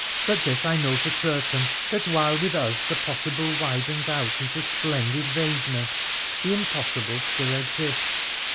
But this I know for certain, that, while with us the possible widens out into splendid vagueness, the impossible still exists.'